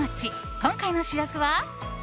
今回の主役は。